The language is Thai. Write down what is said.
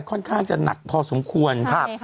ค่อนข้างจะหนักพอสมควร